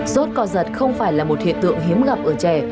sốt co giật không phải là một hiện tượng hiếm gặp ở trẻ